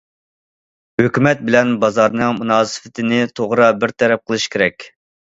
ھۆكۈمەت بىلەن بازارنىڭ مۇناسىۋىتىنى توغرا بىر تەرەپ قىلىش كېرەك.